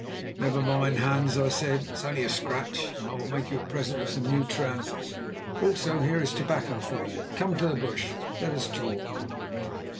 "Never mind, Hans," I said, "it is only a scratch, and I will make you a present of some new trousers. Also, here is tobacco for you. Come to the bush; let us talk."